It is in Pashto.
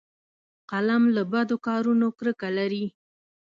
قلم له بدو کارونو کرکه لري